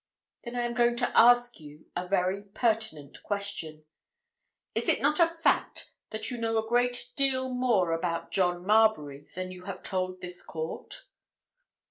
"Then I am going to ask you a very pertinent question. Is it not a fact that you know a great deal more about John Marbury than you have told this court?"